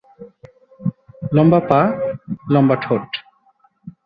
লম্বা পা, লম্বা ঠোঁট।